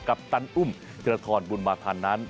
กัปตันอุ่มเจราถอนบุณมาฐานนั้น